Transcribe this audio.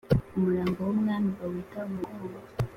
Umurambo w’Umwami bawita Umugogo